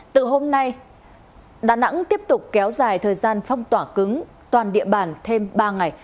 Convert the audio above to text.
từ hôm nay đà nẵng tiếp tục kéo dài thời gian phong tỏa cứng toàn địa bàn thêm ba ngày